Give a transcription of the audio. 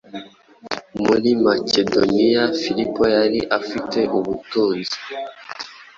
Muri Makedoniya Filipo yari afite ubutunzi